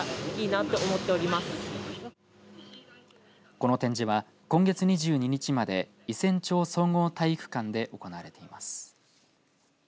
この展示は今月２２日まで伊仙町総合体育館で行われています。